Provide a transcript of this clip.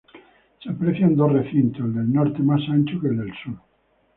Se aprecian dos recintos, el del norte más ancho que el del sur.